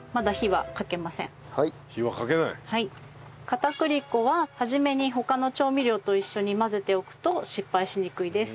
片栗粉は初めに他の調味料と一緒に混ぜておくと失敗しにくいです。